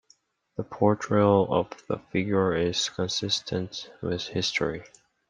The portrayal of the figures is consistent with history.